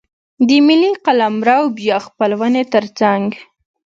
د ملي قلمرو بیا خپلونې ترڅنګ.